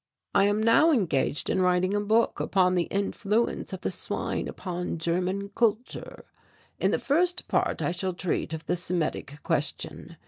I am now engaged in writing a book upon the influence of the swine upon German Kultur. In the first part I shall treat of the Semitic question.